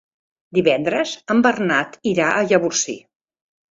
Divendres en Bernat irà a Llavorsí.